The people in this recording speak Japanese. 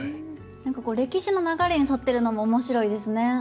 何か歴史の流れに沿ってるのも面白いですね。